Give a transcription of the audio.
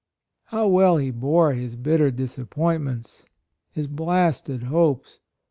How well he bore his bitter dis appointments — his blasted hopes